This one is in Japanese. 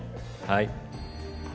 はい。